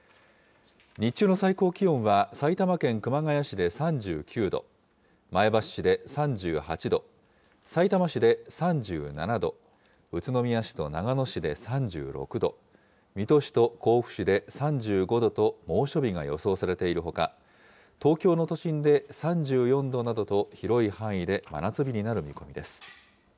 日中の最高気温は埼玉県熊谷市で３９度、前橋市で３８度、さいたま市で３７度、宇都宮市と長野市で３６度、水戸市と甲府市で３５度と猛暑日が予想されているほか、東京の都心で３４度などと、広い範囲で真夏日になる見込みです。